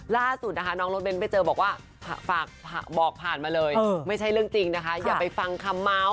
ล่าสุดนะคะน้องรถเน้นไปเจอบอกว่าฝากบอกผ่านมาเลยไม่ใช่เรื่องจริงนะคะอย่าไปฟังคำเมาส์